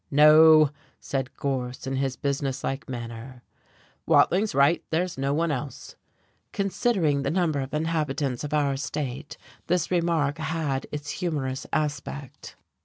"No," said Gorse, in his businesslike manner, "Watling's right, there's no one else." Considering the number of inhabitants of our state, this remark had its humorous aspect.